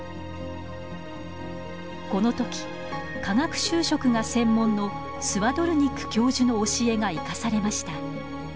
このとき化学修飾が専門のスワドルニック教授の教えが生かされました。